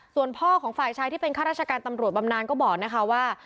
ส่วนพ่อของฝ่ายชายที่เป็นข้าราชการตำรวจบำนานก็บอกนะคะว่า